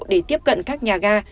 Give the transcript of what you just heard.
để tiếp cận các nhà ga